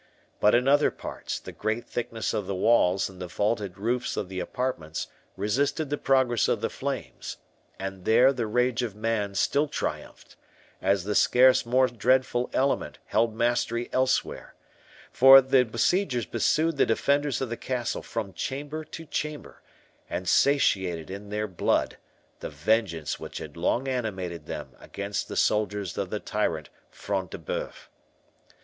But in other parts, the great thickness of the walls and the vaulted roofs of the apartments, resisted the progress of the flames, and there the rage of man still triumphed, as the scarce more dreadful element held mastery elsewhere; for the besiegers pursued the defenders of the castle from chamber to chamber, and satiated in their blood the vengeance which had long animated them against the soldiers of the tyrant Front de Bœuf.